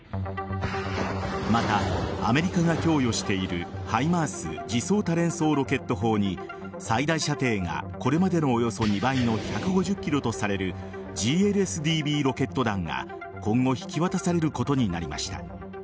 また、アメリカが供与しているＨＩＭＡＲＳ自走多連装ロケット砲に最大射程がこれまでのおよそ２倍の１５０ｋｍとされるＧＬＳＤＢロケット弾が今後引き渡されることになりました。